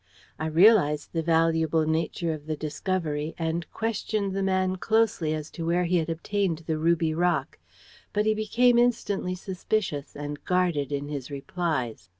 I realized the valuable nature of the discovery, and questioned the man closely as to where he had obtained the ruby rock, but he became instantly suspicious, and guarded in his replies.